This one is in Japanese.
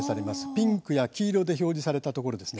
ピンクや黄色で表示されているところです。